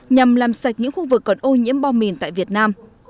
nhằm làm sạch những khu vực còn ô nhiễm bom mìn tại việt nam